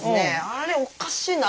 あれっおかしいな。